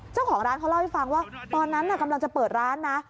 เจ้าของร้านเขาเล่าให้ฟังว่าตอนนั้นกำลังจะเปิดร้านนะ